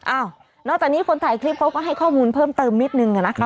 นอกจากนี้คนถ่ายคลิปเขาก็ให้ข้อมูลเพิ่มเติมนิดนึงอะนะคะ